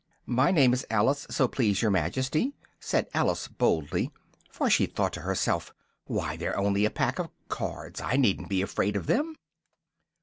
"My name is Alice, so please your Majesty," said Alice boldly, for she thought to herself "why, they're only a pack of cards! I needn't be afraid of them!"